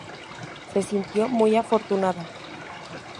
Se sintió muy afortunada.